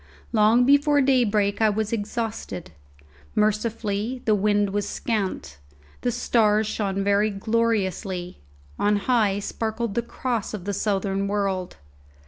Long before daybreak I was exhausted. Mercifully, the wind was scant; the stars shone very gloriously; on high sparkled the Cross of the southern world.